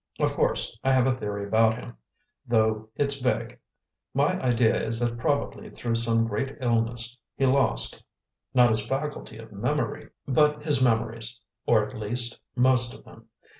Of course I have a theory about him, though it's vague. My idea is that probably through some great illness he lost not his faculty of memory, but his memories, or, at least, most of them.